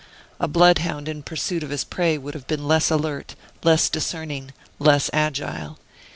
A bloodhound in pursuit of his prey would have been less alert, less discerning, less agile.